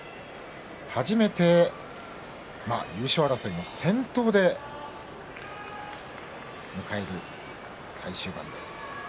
初めて優勝争いの先頭で迎える最終盤です。